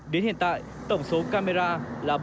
đến hiện tại tổng số camera là bốn mươi hai